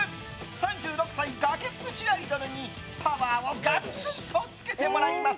３６歳崖っぷちアイドルにパワーをガツンとつけてもらいます。